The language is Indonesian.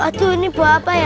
aduh ini buat apa ya